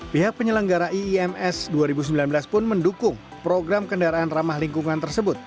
pihak penyelenggara iims dua ribu sembilan belas pun mendukung program kendaraan ramah lingkungan tersebut